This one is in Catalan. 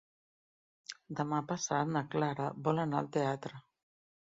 Demà passat na Clara vol anar al teatre.